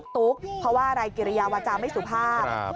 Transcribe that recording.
ตุ๊กเพราะว่าอะไรกิริยาวาจาไม่สุภาพ